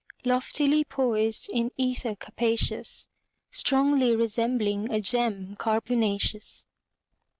Loftily poised in ether capacious, Strongly resembling a gem carbonaceous.